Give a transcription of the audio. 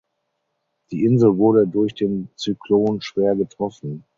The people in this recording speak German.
Die Insel wurde durch den Zyklon schwer getroffen.